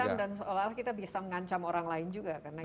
seolah terancam dan seolah kita bisa mengancam orang lain juga